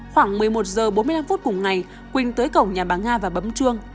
khoảng một mươi một h bốn mươi năm cùng ngày quỳnh tới cổng nhà bà nga và bấm chuông